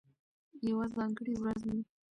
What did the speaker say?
یوه ځانګړې ورځ وي،